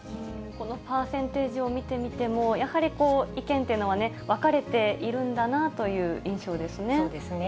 このパーセンテージを見てみても、やはり意見というのは分かれているんだなという印象ですね。